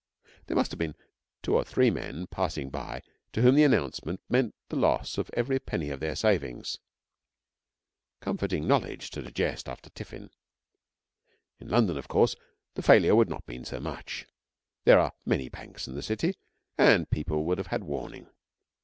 There must have been two or three men passing by to whom the announcement meant the loss of every penny of their savings comforting knowledge to digest after tiffin. In London, of course, the failure would not mean so much; there are many banks in the City, and people would have had warning.